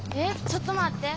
ちょっと待って。